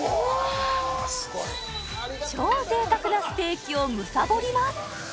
超贅沢なステーキをむさぼります